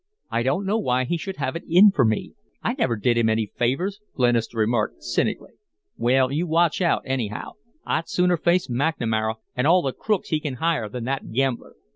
"I don't know why he should have it in for me I never did him any favors," Glenister remarked, cynically. "Well, you watch out, anyhow. I'd sooner face McNamara an' all the crooks he can hire than that gambler."